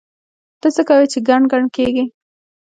ته څه کوې چې ګڼ ګڼ کېږې؟!